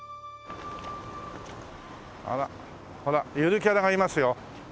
あらほらゆるキャラがいますよ。